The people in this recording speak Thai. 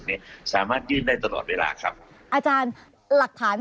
สมมติถ้ามีเทียบกับพายานอีก๘ปาก